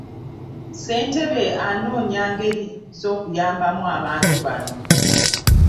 Ssentebe anoonya ngeri z'okuyambamu bantu bano.